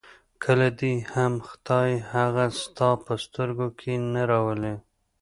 کله دې هم خدای هغه ستا په سترګو کې نه راولي.